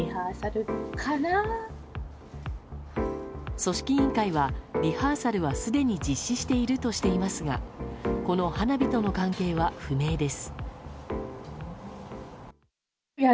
組織委員会は、リハーサルはすでに実施しているとしていますがこの花火との関係は不明です。